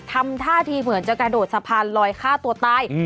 ทำท่าทีเหมือนจะกระโดดสะพานลอยฆ่าตัวตาย